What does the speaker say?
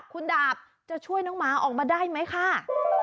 คุณดาบจะช่วยน้องหมาออกมาได้ไหมคะ